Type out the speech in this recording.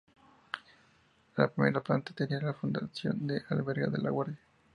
La primera planta tenía la función de albergar la guardia.